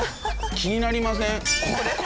気になりません？